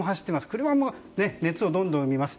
車も熱をどんどん生みます。